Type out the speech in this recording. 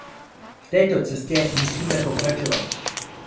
V této cestě musíme pokračovat.